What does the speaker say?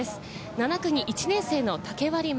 ７区に１年生の竹割真。